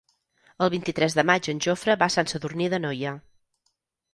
El vint-i-tres de maig en Jofre va a Sant Sadurní d'Anoia.